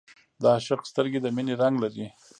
د عاشق سترګې د مینې رنګ لري